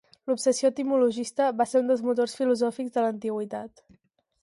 L'obsessió etimologista va ser un dels motors filosòfics de l'antiguitat.